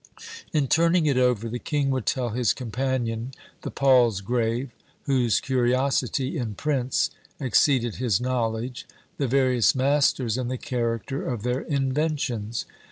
In turning it over, the king would tell his companion the Palsgrave, whose curiosity in prints exceeded his knowledge, the various masters, and the character of their inventions.